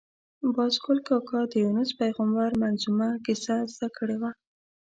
باز ګل کاکا د یونس پېغمبر منظمومه کیسه زده کړې وه.